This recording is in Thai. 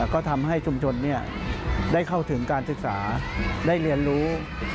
ก็ทำให้ชุมชนได้เข้าถึงการศึกษาได้เรียนรู้